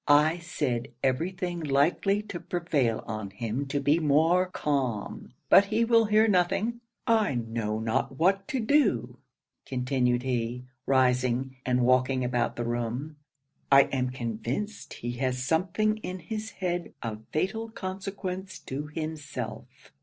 I said every thing likely to prevail on him to be more calm; but he will hear nothing. I know not what to do,' continued he, rising, and walking about the room. 'I am convinced he has something in his head of fatal consequence to himself.